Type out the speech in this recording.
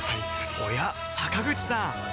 おや坂口さん